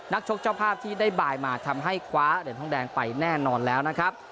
ชกเจ้าภาพที่ได้บายมาทำให้คว้าเหรียญทองแดงไปแน่นอนแล้วนะครับ